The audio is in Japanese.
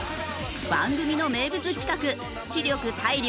番組の名物企画知力体力